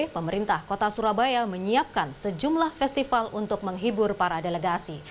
pemerintah kota surabaya menyiapkan sejumlah festival untuk menghibur para delegasi